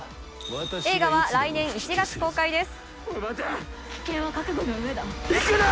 映画は来年１月公開です。